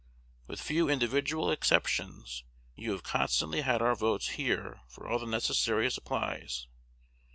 With few individual exceptions, you have constantly had our votes here for all the necessary supplies.